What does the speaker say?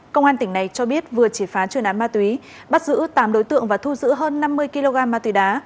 công an tỉnh này cho biết vừa chỉ phá chuyên án ma túy bắt giữ tám đối tượng và thu giữ hơn năm mươi kg ma túy đá